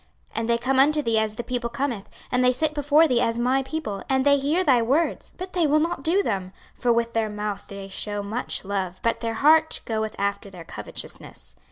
26:033:031 And they come unto thee as the people cometh, and they sit before thee as my people, and they hear thy words, but they will not do them: for with their mouth they shew much love, but their heart goeth after their covetousness.